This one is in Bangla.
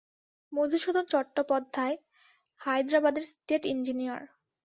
মধুসূদন চট্টোপাধ্যায় হায়দরাবাদের ষ্টেট ইঞ্জিনীয়র।